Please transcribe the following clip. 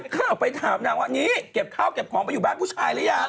ข่าวไปถามนางว่านี่เก็บข้าวเก็บของไปอยู่บ้านผู้ชายหรือยัง